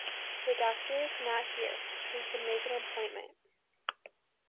The doctor's not here, we can make an appointment.